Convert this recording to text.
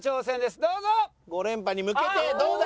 ５連覇に向けてどうだ？